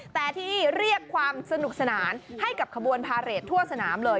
แต่ที่เรียกความสนุกสนานให้กับขบวนพาเรททั่วสนามเลย